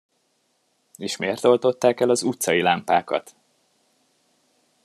És mért oltották el az utcai lámpákat?